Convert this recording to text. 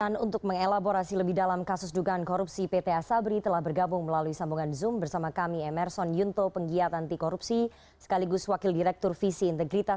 dan untuk mengelaborasi lebih dalam kasus dugaan korupsi pt asabri telah bergabung melalui sambungan zoom bersama kami emerson yunto penggiat anti korupsi sekaligus wakil direktur visi integritas